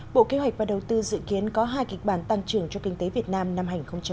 bộ kế hoạch và đầu tư dự kiến có hai kịch bản tăng trưởng cho kinh tế việt nam năm hai nghìn hai mươi